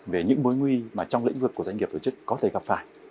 về những bối nguy trong lĩnh vực của doanh nghiệp tổ chức có thể gặp phải